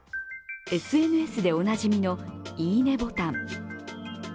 ＳＮＳでおなじみの「いいね！」ボタン。